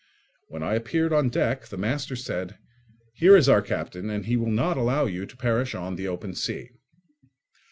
When I appeared on deck the master said, "Here is our captain, and he will not allow you to perish on the open sea."